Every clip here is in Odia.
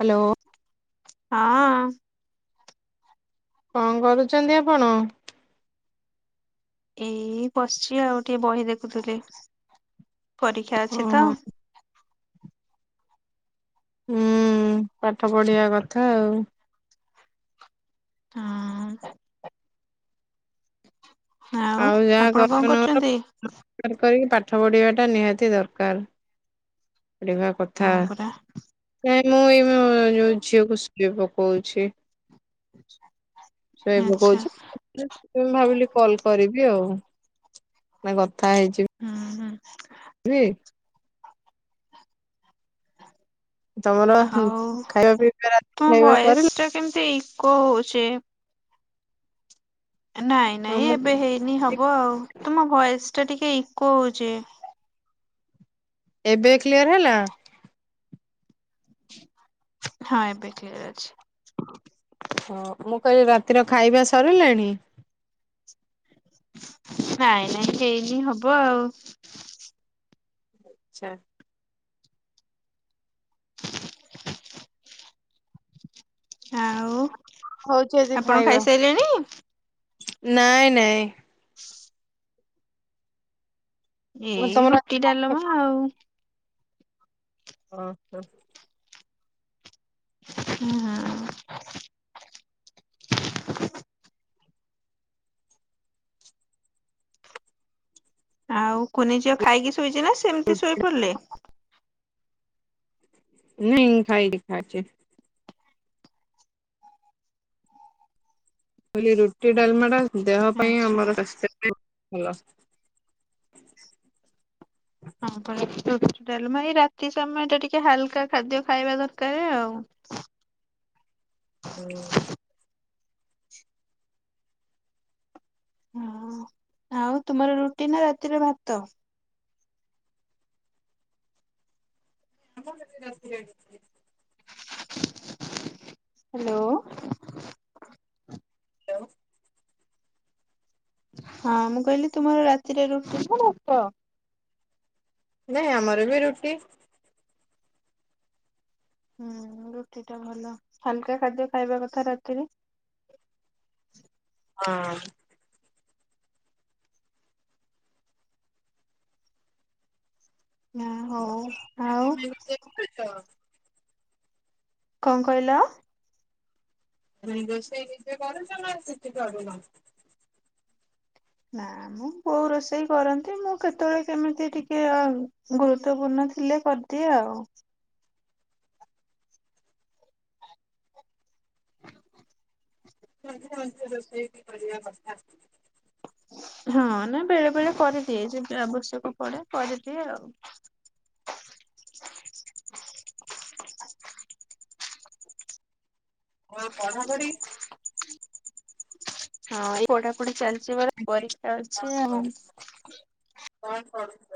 ହ୍ୟାଲୋ। ହଁ। କଣ କରୁଛନ୍ତି ଆପଣ? ଏଇ ବସିଛି ଆଉ ଟିକେ ବହି ଦେଖୁଥିଲି। ପରୀକ୍ଷା ଅଛି ଓହୋ ତ। ହୁଁ ପାଠ ପଢିବା କଥା ଆଉ। ହଁ। ଆଉ ଯାହା ଆପଣ କଣ କର କରୁଛନ୍ତି? ନ କର [unintelligible] ପାଠ ପଢ଼ିବାଟା ନିହାତି ଦରକାର। ପଢିବା କଥା ହଁ ପରା ମୁଁ ଏଇ ଯୋଉ ଝିଅକୁ ପକଉଛି। ଆଛା। ଶୋଇବ କହୁଛି ଭାବିଲି କଲ କରିବି ଆଉ। [inaudible] ହଁ ହୁଁ।। ହ [inaudible] ହ [unintelligible] ତମର ହଉ ଖାଇବା ପିଇବା ରାତି ତମ ଖାଇବା ବୟସ ସରିଲା? ଟା କେମିତି ଇକୋ ହଉଛି। ସେ ନାଇଁ ହଁ ନାଇଁ ମୁଁ ଏବେ ହେଇନି ହବ। ହବ ଆଉ ତୁମ ଭୟସ ଟା ଟିକେ ଇକୋ ହଉଛି। ଏବେ କ୍ଲିୟର ହେଲା। ହଁ ଏବେ ଠିକ୍ ଅଛି। ହଁ ମୁଁ କହିଲି ରାତିର ଖାଇବା ସରିଲାଣି? ନାଇଁ ନାଇଁ ହେଇନି ହବ ଆଉ। ଆଛା। [inaudible] ଆଉ ହଉଛି ଆଜି ଆପଣ ଖାଇବା ଖାଇସାରିଲେଣି? ନାଇଁ ନାଇଁ। ମୁଁ କହିଲି ଏଇ ତମର ରୁଟି ଡାଲମା ଆଉ। ଓ ହୋ। ହ ହଁ। ଆଉ କୁନିଝିଅ ଖାଇକି ଶୋଇଛି ନା ସେମିତି ଶୋଇପଡିଲେ। ନାଇଁ ଖାଇକି ଖାଇଛେ। ଅଲି ରୋଟି ଡାଲମା ଟା ଦେହ ପାଇଁ ଆଚ୍ଛା ଆମର ସ୍ୱାସ୍ଥ୍ୟ ହେଲା। ହଁ ରାତି ସମୟ ଟ ଟିକେ ହାଲକା ଖାଦ୍ୟ ଖାଇବା ଦରକାର ଆଉ। ହୁଁ। ହ ଆଉ ତୁମର ରୁଟି ନା ରାତିରେ ଭାତ? ଆ [unintelligible] ହ୍ୟାଲୋ ହ୍ୟାଲଉ ହଁ ମୁଁ କହିଲି ତୁମର ରାତିରେ ରୁଟି ନା ଭାତ? ନାଇଁ ଆମର ବି ରୁଟି। ହୁଁ ରୁଟି ଟା ଭଲ ହାଲକା ଖାଦ୍ୟ ଖାଇବା କଥା ରାତିରେ। ହଁ। ହଁ ହଉ ଆଉ। ତମେ ନିଜେ କରୁଛ କଣ କହିଲ? ରୋଷେଇ ଏବେ କରୁଚ ନା କରିନ। ନା ମୁଁ କୋଉ ରୋଷେଇ କରନ୍ତି ମୁଁ କେତେବେଳେ କେମିତି ଟିକେ ଗୁରୁତ୍ୱପୂର୍ଣ୍ଣ ଥିଲେ କରିଦିଏ ଆଉ। ମଝିରେ ମଝିରେ ରଷେଇ କରିବା କଥା। ହଁ ନା ବେଳେ ବେଳେ କରିଦିଏ ଯତି ଆବଶ୍ୟକ ପଡେ କରିଦିଏ ଆଉ। କ ପଢାପଢି। ହଁ ଏ ପଢାପଢି ଚାଲି ସେବେ ପରୀକ୍ଷା ଅଛି ଆଉ। କଣ ପଢୁଛ?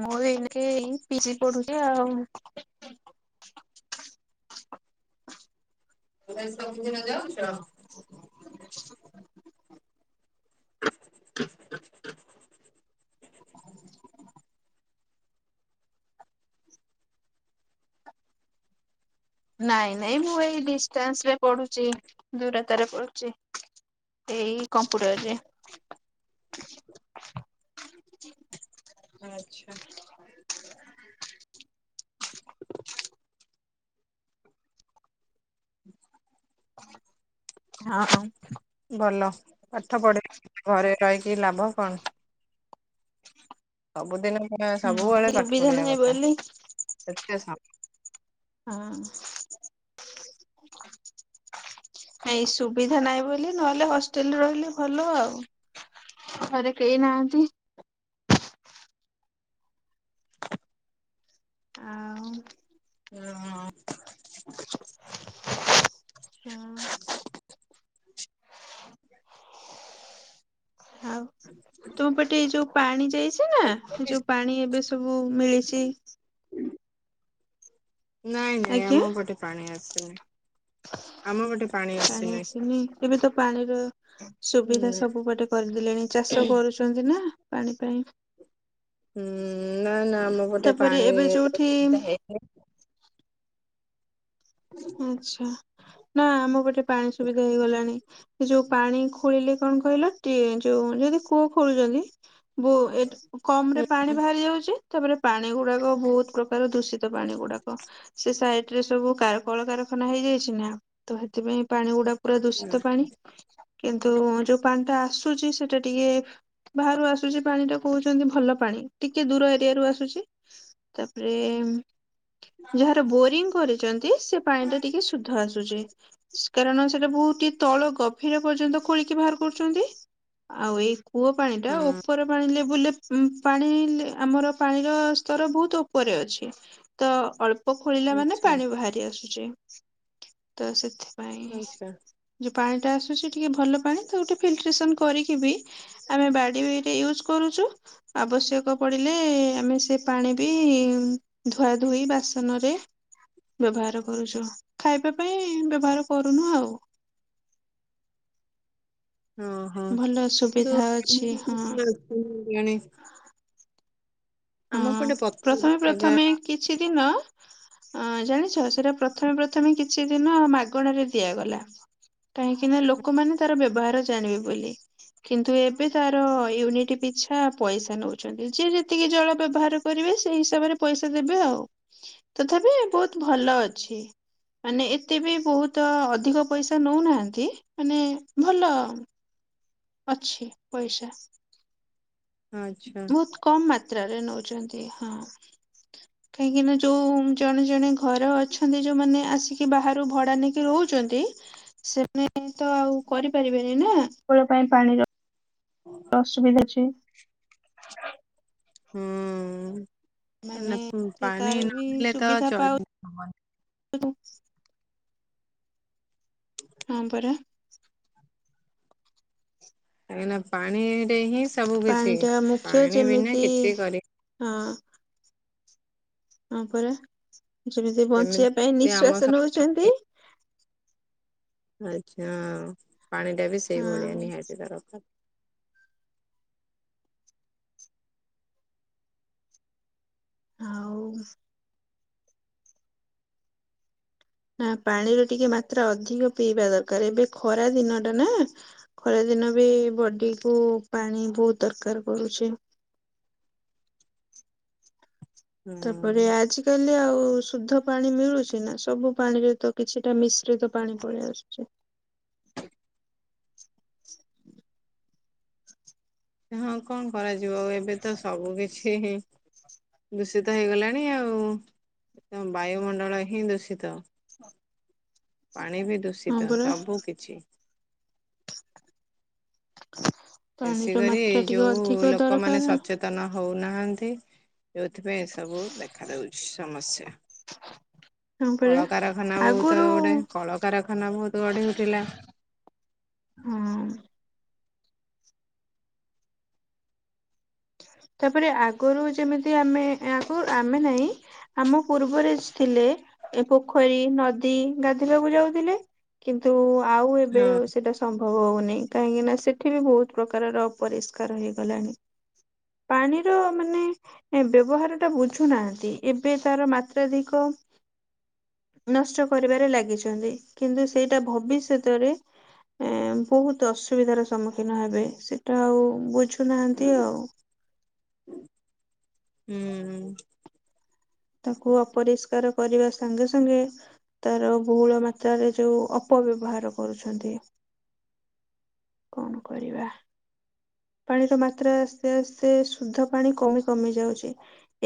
ମୁଁ ଏ ଏଇ ପିଜି ପଢୁଛି ଆଉ। ତୁ ସବିଛିିନ ଯାଉଛ‌। ହ। ନାଇଁ ନାଇଁ ମୁଁ ଏଇ ଡିଷ୍ଟାନ୍ସ ରେ ପଡୁଛି ଦୂର ରେ କରୁଛି। ଏଇ କମ୍ପ୍ୟୁଟର ରେ। ଆଚ୍ଛା। ହଁ। ଭଲ ପାଠ ପଢି ଘରେ ରହିକି ଲାଭ କଣ? ସବୁ ଦିନ। ହଁ ହୁଁ ସବୁବେଳେ ପାଠ ସୁବିଧା ପଢିବା ନାହିଁ କଥା ବୋଲି ଏତେ ହଁ ଏ ସୁବିଧା ନାହିଁ ବୋଲି ନହେଲେ ହଷ୍ଟେଲରେ ରହିଲେ ଭଲ ଆଉ ଘରେ କେହି ନାହାନ୍ତି। [inaudible] ଆଉ ହଁ। ତୁ ପଟେ ଯୋଉ ପାଣି ଯାଇ ନା ଏ ଯୋଉ ପାଣି ଏବେ ସବୁ ମିଳିଛି। ନାଇଁ ନାଇଁ ଆଜ୍ଞା। ଆମ ଗଟେ ପ୍ରାଣୀ ଅଛି। ହ। ପାଣି ଆସିନି ଏବେ ତ ପାଣିର ସୁବିଧା ହୁଁ ସବୁପଟେ କରିଦେଲେଣି ଚାଷ କରୁଛନ୍ତି ନା। ପାଣି ପାଇଁ। ହୁଁ। ନା ନା ଆମ ଗୋଟେ ତାପରେ ପାଣି ଏବେ ଯୋଉଠି ସୁବିଧା ହେଇନି। ଆଚ୍ଛା ନା ଆମ ପଟେ। ପାଣି ସୁବିଧା ହେଇଗଲାଣି ସେ ଯୋଉ ପାଣି ଖୋଳିଲେ କଣ କହିଲା ଯୋଉ ଯଦି କୁଅ ଖୋଳୁଛନ୍ତି। ବ ଏ କମ ରେ ପାଣି ବାହାରି ଯାଉଛି। ତାପରେ ପାଣି ଗୁଡାକ ବହୁତ ପ୍ରକାର। ଦୂଷିତ ପାଣି ଗୁଡାକ ସେ ସ ସବୁ କାର କଳକାରଖାନା ହେଇଯାଇଛି ନା ତ ସେଥିପାଇଁ ପାଣି ଗୁଡା ପୁରା ଦୂଷିତ ପାଣି କିନ୍ତୁ ଯୋଉ ପାଣି ଟା ଆସୁଛି। ସେଟା ଟିକେ ବାହାରୁ ଆସୁଛି ପାଣି ଟା କହୁଛନ୍ତି ଭଲ ପାଣି ଟିକେ ଦୂର ଏରିଆରୁୁ ଆସୁଛି। ତାପରେ ଯାହାର ବୋରିଂ କରିଛନ୍ତି ସେ ପାଣି ଟା ଟିକେ ଶୁଦ୍ଧ ଆସୁଚି। କାରଣ ସେଟା ବହୁତି ତଳ ଗଭୀର ପର୍ଯ୍ୟନ୍ତ ଖୋଳିକି ବାହାର କରୁଛନ୍ତି ଆଉ ଏଇ କୂଅ ପାଣି ଟା ହଁ ଉପର ପାଣି ଲେଭୁଲରେ ଉ ପାଣି ଆମର ପାଣିର ସ୍ତର ବହୁତ ଉପରେ ଅଛି ତ ଅଳ୍ପ ପ ଖୋଳିଲା ମାନେ ଆଚ୍ଛା ପାଣି ବାହାରି ଆସୁଚି। ତ ସେଥି ଆଚ୍ଛା। ପାଣିଟା ଆସୁଛି ଟିକେ ଭଲ ପାଣି ତ ଗୋଟେ ଫିଲଟ୍ରେସନ୍ କରିକି ବି ଆମେ ବାଡ଼ିରେ ୟୁଜ୍ କରୁଚୁ। ଆବଶ୍ୟକ ପଡ଼ିଲେ ଆମେ ସେ ପାଣି ବି ଧୁଆ ଧୋଇ ବାସନରେ ବ୍ୟବହାର କରୁଛ ଖାଇବା ପାଇଁ ବ୍ୟବହାର କରୁନୁ ଆଉ [inaudible] ଓ ହୋ ଭଲ ସୁବିଧା ଅଛି ହଁ [unintelligible] ହୁଁ ପ୍ରଥମେ ଜାଗା ପ୍ରଥମେ କିଛି ଦିନ ଅ ଜାଣିଛ ସେଟା ପ୍ରଥମେ ପ୍ରଥମେ କିଛି ଦିନ ମାଗଣରେ ଦିଆଗଲା। କାହିଁକିନା ଲୋକମାନେ ତାର ବ୳ବ ବ୍ୟବହାର ଜାଣିବେ ବୋଲି କିନ୍ତୁ ଏବେ ତାର ୟୁନିଟ ପିଛା ପଇସା ନଉଛନ୍ତି। ଯେ ଯେତିକି ଜଳ ବ୍ୟବହାର କରିବେ ସେଇ ହିସାବରେ ପଇସା ଦେବେ ଆଉ ତଥାପି ବହୁତ ଭଲ ଅଛି। ମାନେ ଏତେ ବି ବହୁତ ଅଧିକ ପଇସା ନଉନାହାନ୍ତି ମାନେ ଭଲ ଅଛି ପଇସା ଆଚ୍ଛା ବହୁତ କମ ମାତ୍ରରେ ନଉଛନ୍ତି। ହଁ [inaudible] କାହିଁକି ନା ଯୋଉ ଜଣେ ଜଣେ ଘର ଅଛନ୍ତି ଯୋଉମାନେ ଆସିକି ବାହାରୁ ଭଡା ନେଇକି ରହୁ ଅଛନ୍ତି ସେମାନେ ତ ଆଉ କରିପାରିବେନି ନା ପାଇଁ ପାଣି ର ଅସୁବିଧା ଅଛି। [inaudible] ମାନେ ହୁଁ। ସେ ପାଣି ତାର ନ ବି ମିିଳିଲେ ତ ସୁବିଧା ପାଉ ଚଳି ହବନି। [unintelligible] ହଁ ପରା କାହିଁକି ନା ପାଣି ସେ ହିଁ ସବୁ ପାଣି କିଛି ଟା ମୁଖ୍ୟ ପାଣି ବିନା ଯେମିତି କିଛି କରି ହଁ ହଁ ପରା ଯେମିତି ବଞ୍ଚିବା ପାଇଁ ଯେମିତି ଆମ ନିଃଶ୍ଵାସ ଶରୀର ନଉଛନ୍ତି। ପାଇଁ ଆଚ୍ଛା। ପାଣି ଟା ବି ସେଇଭଳିଆ ହଁ ନିହାତି ଦରକାର। ହଉ ନା ପାଣିର ଟିକେ ମାତ୍ରା ଅଧିକ ପିଇବା ଦରକାର ଏବେ ଖରା ଦିନ ଟା ନା ଖରା ଦିନ ବି ବଡି କୁ ପାଣି ବହୁତ ଦରକାର କରୁଛି। ତାପରେ ହୁଁ ଆଜିକାଲି ଆଉ। ଆ ଶୁଦ୍ଧ ପାଣି ମିଳୁଛି ନା ସବୁ ପାଣିରେ ତ କିଛିଟା ମିଶ୍ରିତ ପାଣି ପଳେଇ ଆସୁଛି। ହଁ କଣ କରାଯ ଯିବ ଏବେ ତ ସବୁ କିଛି ହଁ ଦୂଷିତ ହେଇଗଲାଣି ଆଉ ବାୟୁମଣ୍ଡଳ ହିଁ ଦୂଷିତ। ପାଣି ବି ହଁ ଦୂଷିତ ପରା ସବୁ କିଛି। ବେଶୀ ପାଣିର କରି ମାତ୍ରା ଏଇ ଟିକେ ଯୋଉ ଅଧିକ ଲୋକମାନେ ଦରକାର ସଚେତନ ହଉନାହାନ୍ତି ଯେଉଥିପାଇଁ ସବୁ ଦେଖା ଦଉଛି ସମସ୍ୟା। ହଁ ପରା କଳକାରଖାନା ବହୁତ ଆଗରୁ ଗୋଟେ କଳକାରଖାନା ବହୁତ ଗଢି ଉଠଥିଲା। ହୁଁ ତାପରେ ଆଗରୁ ଯେମିତି ଆମେ ଆଗରୁ ଆମେ ନାହିଁ ଆମ ପୂର୍ବରେ ଥିଲେ ଏ ପୋଖରୀ ନଦୀ ଗାଧୋଇବାକୁ ଯାଉଥିଲେ କିନ୍ତୁ ଆଉ ଏବେ ହଁ ସେଇଟା ସମ୍ଭବ ହଉନହିଁ। କାହିଁକି ନା ସେଠି ବି ବହୁତ ପ୍ରକାରର ଅପରିଷ୍କାର ହେଇଗଲାଣି। ପାଣିର ମାନେ ବ୍ୟବହାର ଟା ବୁଝୁନାହାନ୍ତି ଏବେ ତାର ମାତ୍ରାଧିକ ନଷ୍ଟ କରିବାରେ ଲାଗିଛନ୍ତି କିନ୍ତୁ ସେଇଟା ଭବିଷ୍ୟତରେ ଏ ବହୁତ ଅସୁବିଧାର ସମ୍ମୁଖୀନ ହେବେ ସେଟା ଆଉ ବୁଝୁ ଶୁନାହାନ୍ତି ଆଉ। ହୁଁ ତାକୁ ଅପରିଷ୍କାର କରିବା ସାଙ୍ଗେ ସାଙ୍ଗେ ତାର ବହୁଳ ମାତ୍ରାରେ ଯୋଉ ଅପବ୍ୟବହାର କରୁଛନ୍ତି। କଣ କରିବା। ପାଣିର ମାତ୍ରା ଆସ୍ତେ ଆସ୍ତେ ଶୁଦ୍ଧ ପାଣି କମି କମି ଯାଉଛି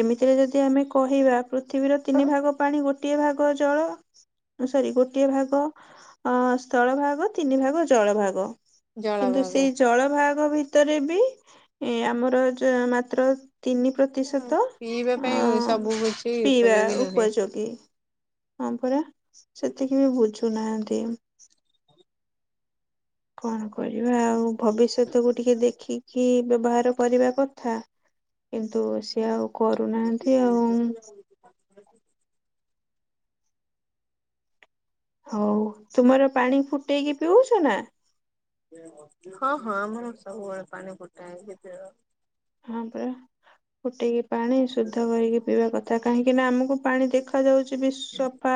ଏମିତିରେ ଯଦି ଆମେ କହିବା ପୃଥିବୀର ତିନି ଭାଗ ପାଣି ଗୋଟିଏ ଭାଗ ଜଳ ସରି ଗୋଟିଏ ଭାଗ ଅ ସ୍ଥଳ ଭାଗ ତିନି ଭାଗ ଜଳ ଭାଗ କିନ୍ତୁ ଜଳଭାଗ ସେଇ ଜଳ ଭାଗ ବି ବି ଏ ଆମର ଯ ମାତ୍ର ତିନି ପ୍ରତିଶତ ପିଇବା ଅ ପାଇଁ ସବୁ କିଛି ପିଇବା ଉପଯୋଗୀ ନୁହେଁ। ଉପଯୋଗୀ ହଁ ପରା ସେତିକି ବି ବୁଝୁ ସୁୁନାନ୍ତିି କଣ କରିବା ଆଉ। ଭବିଷ୍ୟତକୁ ଟିକେ ଦେଖିକି ବ୍ୟବହାର କରିବା କଥା କିନ୍ତୁ ସେ ଆଉ। କରୁନାହାନ୍ତି ଆଉ। ହଉ ତୁମର ପାଣି ଫୁଟେଇକି ପିଉଛ ନା। ହଁ ହଁ ଆମର ସବୁବେଳେ ପାଣି ଫୁଟା ହେଇ ପିଆ ହଁ ପରା ଫୁଟେଇ ପାଣି ଶୁଦ୍ଧ କରିକି ପିଇବା କଥା। କାହିଁକି ନା ଆମକୁ ପାଣି ଦେଖାଯାଉଛି ବି ସଫା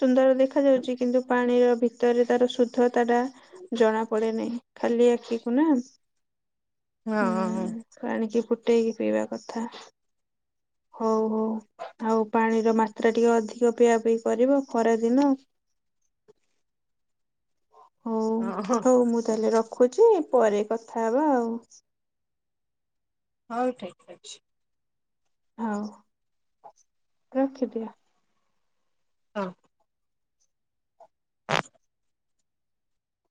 ସୁନ୍ଦର ଦେଖାଯାଉଛି କିନ୍ତୁ ପାଣି ଭିତରେ ତାର ଶୁଦ୍ଧ କଥା ଟା ଜଣା ପଡେ ନାହିଁ। ଖାଲି ଆଖିକୁ ନା ହଁ। ପାଣିକି ଫୁଟେଇକି ପିଇବା କଥା। ହଉ ହଉ ଆଉ ପାଣିର ମାତ୍ରା ଟିକେ ଅଧିକ ପିଇବା ପାଇଁ କରିବ ଖରାଦିନ। ହଉ ହଁ। ହଉ ମୁଁ ତାହେଲେ ରଖୁଛି। ପରେ କଥା ହବା ଆଉ। ହଉ ଠିକ ଅଛି। ହଉ ରଖିଦିଅ। ହ।